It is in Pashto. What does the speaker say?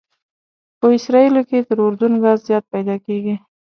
په اسرائیلو کې تر اردن کار زیات پیدا کېږي.